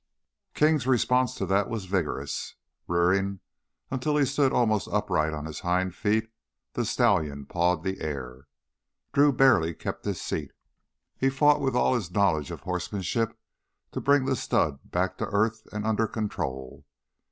King's response to that was vigorous. Rearing, until he stood almost upright on his hind feet, the stallion pawed the air. Drew barely kept his seat. He fought with all his knowledge of horsemanship to bring the stud back to earth and under control.